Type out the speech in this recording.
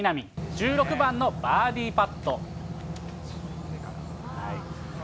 １６番のバーディーパット。